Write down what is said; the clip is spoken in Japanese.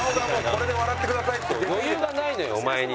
余裕がないのよお前に。